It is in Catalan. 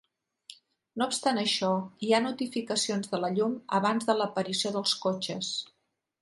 No obstant això, hi ha notificacions de la llum abans de l'aparició dels cotxes.